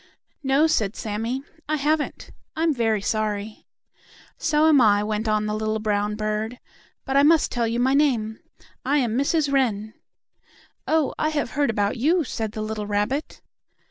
"No," said Sammie, "I haven't. I am very sorry." "So am I," went on the little brown bird. "But I must tell you my name. I am Mrs. Wren." "Oh, I have heard about you," said the little rabbit.